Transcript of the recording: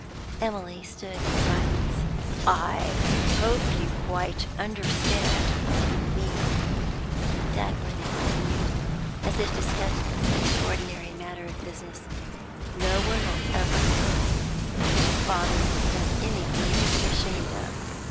Emily stood in silence. 'I hope you quite understand what I mean,' Dagworthy continued, as if discussing an ordinary matter of business. 'No one will ever dream that your father has done anything to be ashamed of.